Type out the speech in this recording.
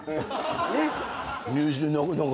ねっ。